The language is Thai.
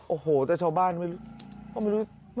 โอ้โหแต่ชาวบ้านไม่รู้